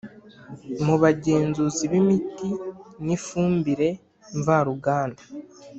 Mu bagenzuzi b imiti nifumbire mvaruganda